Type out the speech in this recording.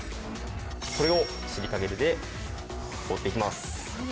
これをシリカゲルで覆っていきます。